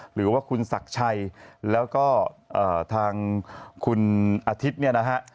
หรือว่าคุณศักดิ์ชัยแล้วก็ทางคุณอาทิตย์เนี่ยนะฮะ